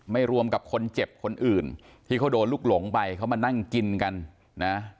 รวมกับคนเจ็บคนอื่นที่เขาโดนลูกหลงไปเขามานั่งกินกันนะ